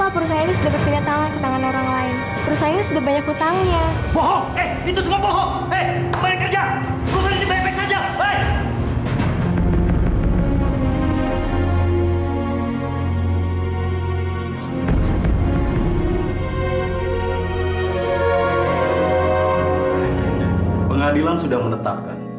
pengadilan sudah menetapkan